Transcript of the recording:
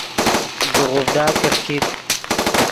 زیغوڤڈا کرکیت